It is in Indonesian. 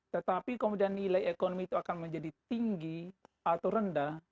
tetapi kemudian nilai ekonomi itu akan menjadi tinggi atau rendah